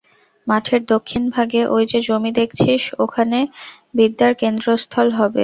মঠের দক্ষিণ ভাগে ঐ যে জমি দেখছিস, ওখানে বিদ্যার কেন্দ্রস্থল হবে।